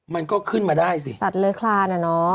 มันก็ขึ้นมาได้สิสัตว์เลยคลานอ่ะเนอะ